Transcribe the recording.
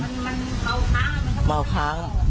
มันเบาค้างมันก็เบาค้าง